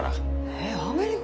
えっアメリカ？